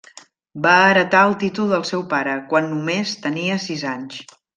Va heretar el títol del seu pare, quan només tenia sis anys.